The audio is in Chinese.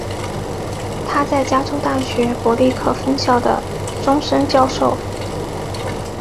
他是在加州大学伯克利分校的终身教授。